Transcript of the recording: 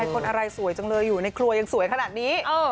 คนอะไรสวยจังเลยอยู่ในครัวยังสวยขนาดนี้